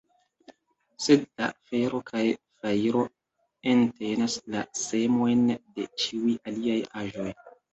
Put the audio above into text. Sed la fero kaj fajro entenas la semojn de ĉiuj aliaj aĵoj.